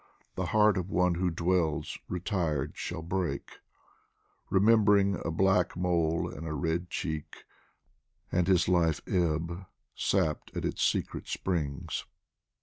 1 08 DIVAN OF HAFIZ The heart of one who dwells retired shall break, Rememb'ring a black mole and a red cheek. And his life ebb, sapped at its secret springs.